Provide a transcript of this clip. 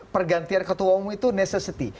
pergantian ketua umum itu necessity